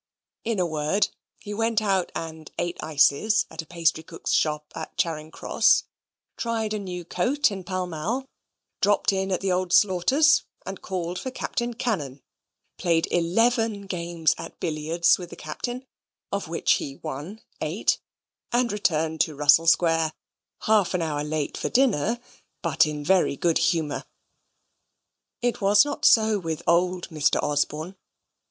In a word, he went out and ate ices at a pastry cook's shop in Charing Cross; tried a new coat in Pall Mall; dropped in at the Old Slaughters', and called for Captain Cannon; played eleven games at billiards with the Captain, of which he won eight, and returned to Russell Square half an hour late for dinner, but in very good humour. It was not so with old Mr. Osborne.